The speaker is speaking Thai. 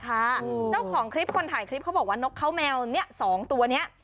เจ้าของคลิปคนถ่ายคลิปเขาบอกว่านกเขาแมวเนี่ย๒ตัวนี้